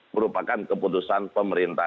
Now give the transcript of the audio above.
merupakan keputusan pemerintah